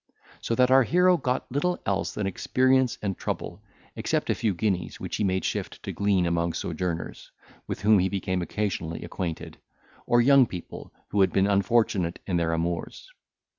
So that our hero got little else than experience and trouble, excepting a few guineas which he made shift to glean among sojourners, with whom he became occasionally acquainted, or young people, who had been unfortunate in their amours.